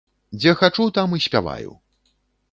Дзе хачу, там і спяваю.